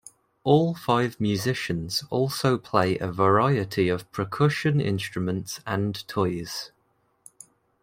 All five musicians also play a variety of percussion instruments and toys.